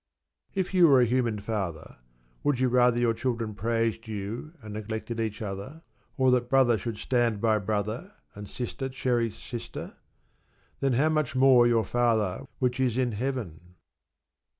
If you were a human father, would you rather your children praised you and neglected each other, or that brother should stand by brother and sister cherish sister? Then "how much more your Father which is in Heaven?"